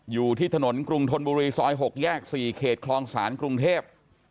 อยู่ที่ถนนกรุงธนบุรีซอย๖แยก๔เขตคลองศาลกรุงเทพ